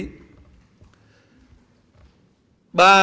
ba là tăng cường hợp tác công tư